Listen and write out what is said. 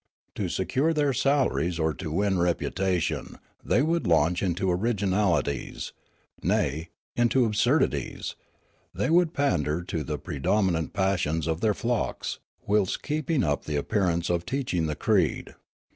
To secure their salaries or to win reputation, the}' would launch into originalities, nay, into absurdities ; they would pander to the predominant passions of their flocks, whilst keeping up the appearance of teaching the creed.